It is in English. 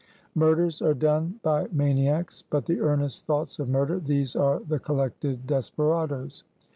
Murders are done by maniacs; but the earnest thoughts of murder, these are the collected desperadoes.